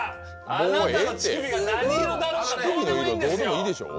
あなたの乳首が何色だろうとどうでもいいんですよ。